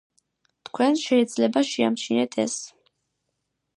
თქვენ შეიძლება შეამჩნიეთ ეს.